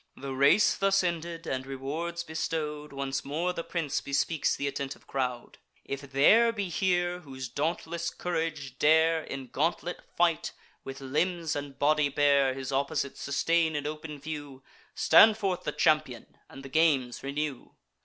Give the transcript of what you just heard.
The race thus ended, and rewards bestow'd, Once more the prince bespeaks th' attentive crowd: "If there be here, whose dauntless courage dare In gauntlet fight, with limbs and body bare, His opposite sustain in open view, Stand forth the champion, and the games renew.